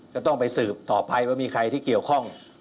ก็ต้องไปสืบต่อไปว่ามีใครที่เกี่ยวข้อง